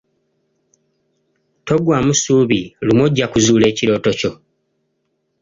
Toggwaamu ssuubi, lumu ojja kuzuula ekirooto kyo.